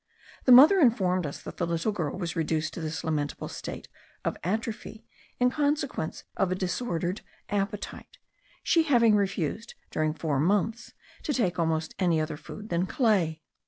The mother informed us that the little girl was reduced to this lamentable state of atrophy in consequence of a disordered appetite, she having refused during four months to take almost any other food than clay.